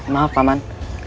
maaf pak man